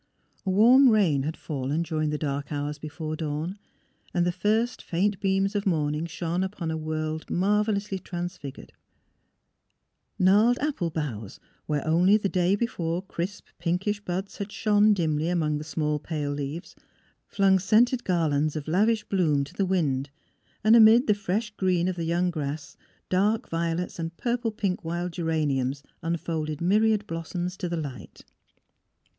A warm rain had fallen during the dark hours before dawn, and the first faint beams of morning shone upon a world mar vellously transfigured: gnarled apple boughs, where only the day before crisp, pinkish buds had shone dimly among the small pale leaves, flung scented garlands of lavish bloom to the wind, and amid the fresh green of the young grass dark vio lets and purple pink wild geraniums unfolded myriad blossoms to the light.